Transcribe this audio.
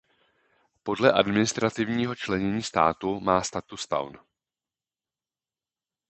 Podle administrativního členění státu má status town.